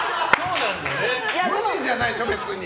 無視じゃないでしょ、別に。